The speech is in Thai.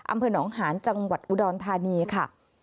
อำเภอหนองหานจังหวัดอุดรธานีค่ะ